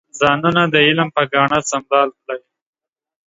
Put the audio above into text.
ځانونه د علم په ګاڼه سنبال کړئ.